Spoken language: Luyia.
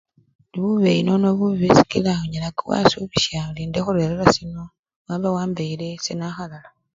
Indi bubeyi nono bubi sikila onyala wasubisha ori ndakhulerera sino waba wambeyele esenakhalala.